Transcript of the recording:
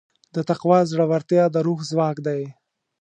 د تقوی زړورتیا د روح ځواک دی.